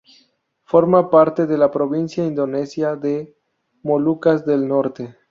Forma parte de la provincia indonesia de Molucas del Norte.